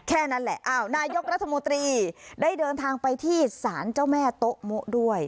แค่นั้นแหละอ้าวนายกรัฐมนตรีได้เดินทางไปที่ศาลเจ้าแม่โต๊ะมุด้วย